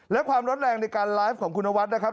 และความร้อนแรงในการไลฟ์ของคุณนวัดนะครับ